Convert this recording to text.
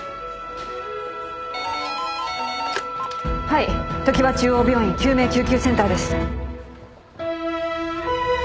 はいときわ中央病院救命救急センターです。